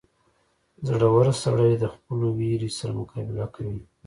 • زړور سړی د خپلو وېرې سره مقابله کوي.